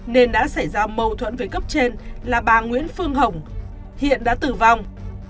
nên đã xảy ra mâu thuẫn với cấp trên là bà nguyễn phương hồng hiện đã tử vong